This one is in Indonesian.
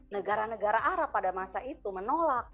negara negara arab pada masa itu menolak